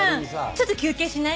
ちょっと休憩しない？